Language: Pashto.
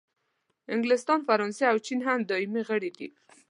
انګلستان، فرانسې او چین هم دایمي غړي دي.